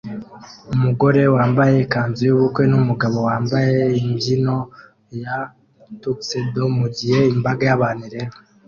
Umugore wambaye ikanzu yubukwe numugabo wambaye imbyino ya tuxedo mugihe imbaga yabantu ireba